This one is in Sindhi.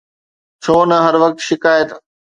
ڇو نه هر وقت شڪايت